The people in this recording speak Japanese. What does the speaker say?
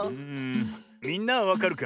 みんなはわかるか？